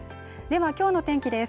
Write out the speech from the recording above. は今日の天気です